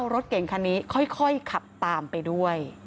รถเก่งคันนี้ค่อยขับตามไปด้วย